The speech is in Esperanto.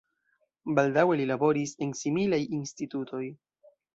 Baldaŭe li laboris en similaj institutoj.